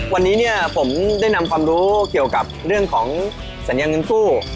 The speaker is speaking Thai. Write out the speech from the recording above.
วันนี้เนี่ยผมได้นำความรู้เกี่ยวกับเรื่องของสัญญาเงินกู้